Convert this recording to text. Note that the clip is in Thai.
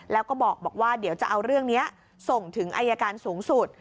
แล้วก็บอกว่าเดี๋ยวจะเอาเรื่องนี้ส่งถึงอายการสูงสุด